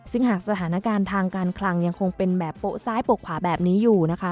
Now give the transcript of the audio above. ซึ่งหากสถานการณ์ทางการคลังยังคงเป็นแบบโป๊ะซ้ายโปะขวาแบบนี้อยู่นะคะ